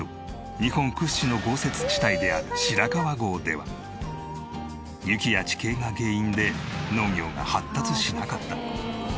日本屈指の豪雪地帯である白川郷では雪や地形が原因で農業が発達しなかった。